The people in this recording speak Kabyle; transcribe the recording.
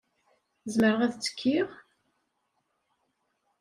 Zemreɣ ad ttekkiɣ?.